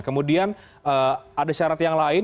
kemudian ada syarat yang lain